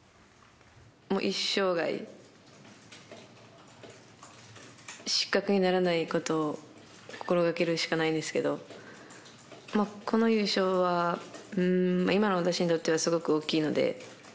もう一生涯、失格にならないことを心がけるしかないですけど、この優勝は、今の私にとってはすごく大きいので。